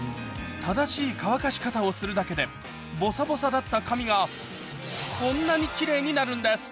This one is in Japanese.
正しい乾かし方をするだけでボサボサだった髪がこんなにキレイになるんです